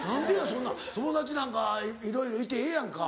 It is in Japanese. そんな友達なんかいろいろいてええやんか。